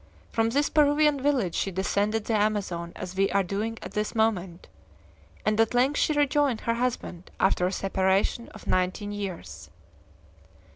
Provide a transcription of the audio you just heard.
From this Peruvian village she descended the Amazon, as we are doing at this moment, and at length she rejoined her husband after a separation of nineteen years."